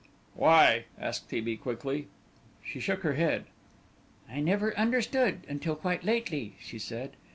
"Why?" asked T. B. quickly. She shook her head. "I never understood until quite lately," she said.